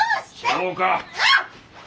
そうか。